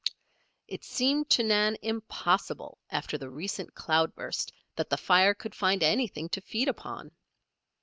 It seemed to Nan impossible after the recent cloudburst that the fire could find anything to feed upon.